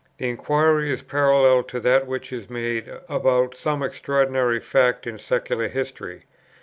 The inquiry is parallel to that which is made about some extraordinary fact in secular history.